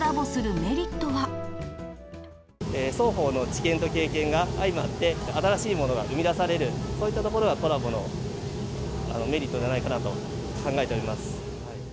双方の知見と経験が、相まって、新しいものが生み出される、そういったところがコラボのメリットじゃないかなと考えております。